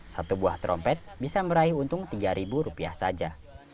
satu buah trompet bisa meraih untung rp tiga saja